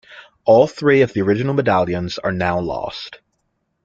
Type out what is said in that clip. All three of the original Medallions are now lost.